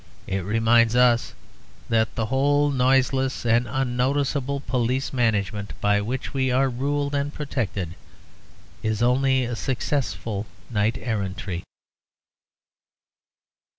It reminds us that the whole noiseless and unnoticeable police management by which we are ruled and protected is only a successful knight errantry.